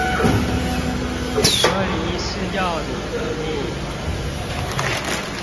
隔離是要你的命